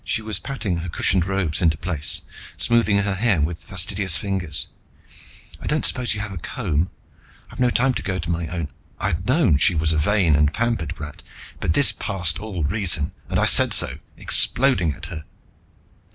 She was patting her crushed robes into place, smoothing her hair with fastidious fingers. "I don't suppose you have a comb? I've no time to go to my own " I'd known she was a vain and pampered brat, but this passed all reason, and I said so, exploding at her.